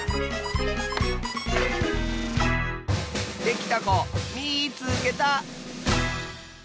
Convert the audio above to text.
できたこみいつけた！